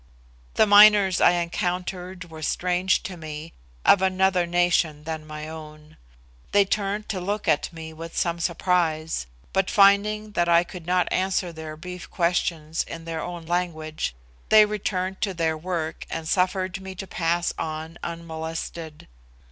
The miners I encountered were strange to me, of another nation than my own. They turned to look at me with some surprise, but finding that I could not answer their brief questions in their own language, they returned to their work and suffered me to pass on unmolested.